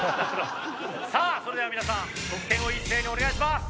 さあそれでは皆さん得点を一斉にお願いします！